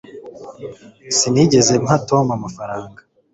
sinigeze mpa tom amafaranga